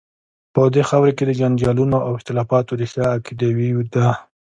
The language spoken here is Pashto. په دې خاوره کې د جنجالونو او اختلافات ریښه عقیدوي ده.